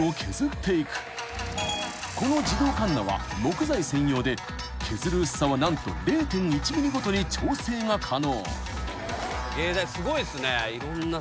［この自動かんなは木材専用で削る薄さは何と０．１ｍｍごとに調整が可能］